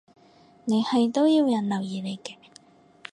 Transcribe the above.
你係都要人留意你嘅